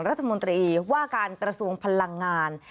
รัฐมนตรีว่าการกระทรวงพลังงาน